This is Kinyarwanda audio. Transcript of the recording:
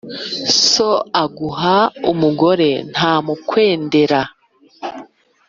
So aguha umugore ntamukwendera.